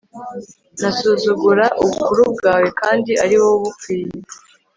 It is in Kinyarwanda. nzasuzugura ubukuru bwawe kandi ariwowe ubukwiye